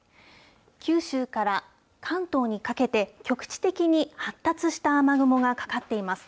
九州から関東にかけて、局地的に発達した雨雲がかかっています。